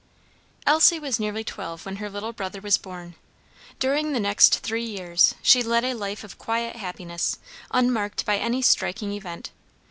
Elsie was nearly twelve when her little brother was born. During the next three years she led a life of quiet happiness, unmarked by any striking event.